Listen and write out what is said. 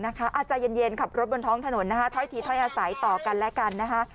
อาจจะเย็นขับรถบนท้องถนนถอยทีถอยอาศัยต่อกันและกัน